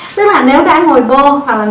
tức là nếu đang ngồi bô hoặc là